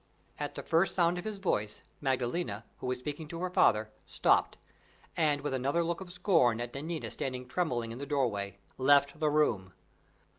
At the first sound of his voice, Maddalena, who was speaking to her father, stopped, and, with another look of scorn at Nanina standing trembling in the doorway, left the room.